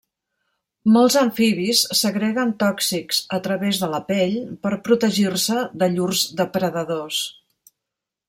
Molts amfibis segreguen tòxics a través de la pell per protegir-se de llurs depredadors.